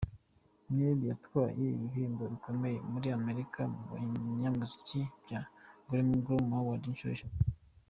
Nelly yanatwaye ibihembo bikomeye muri Amerika mu banyamuziki bya Grammy awards, inshuro eshatu.